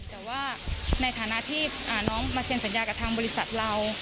แต่ว่าในฐานะที่น้องมาเซ็นสัญญากับทางบริษัทเรา